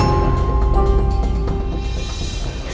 selalu ajak mama